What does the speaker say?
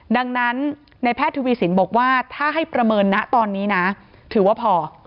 ดังนั้นในแพทย์ทวีสินบอกว่าถ้าให้ประเมินนะตอนนี้นะถือว่าพอ